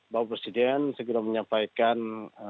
bahwa presiden segera menyampaikan